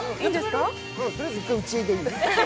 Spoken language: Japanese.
とりあえず、一回うちでいい？